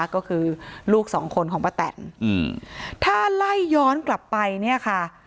ก็คือลูกสองคนของป้าแตนถ้าไล่ย้อนกลับไปเนี่ยค่ะ